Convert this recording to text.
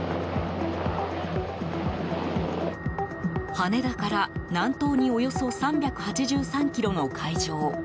羽田から南東におよそ３８３ｋｍの海上。